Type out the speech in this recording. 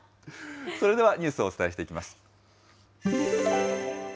それではニュースをお伝えしていきます。